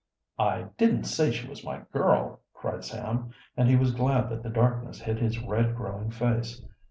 "I didn't say she was my girl," cried Sam, and he was glad that the darkness hid his red growing face.